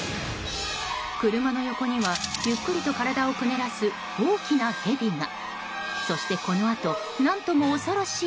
車の横には、ゆっくりと体をくねらす大きなヘビが。